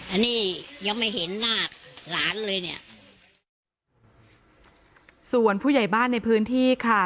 อันนี้ยังไม่เห็นหน้าหลานเลยเนี่ยส่วนผู้ใหญ่บ้านในพื้นที่ค่ะ